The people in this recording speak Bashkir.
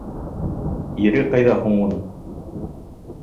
Ире ҡайҙа һуң уның?